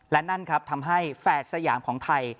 และนั่นครับทำให้แฝดสยามของไทย